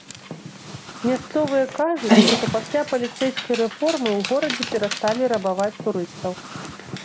Мясцовыя кажуць, што пасля паліцэйскай рэформы ў горадзе перасталі рабаваць турыстаў.